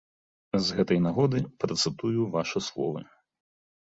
З гэтай нагоды працытую вашы словы.